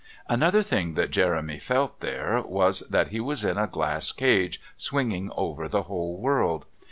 Another thing that Jeremy felt there, was that he was in a glass cage swinging over the whole world.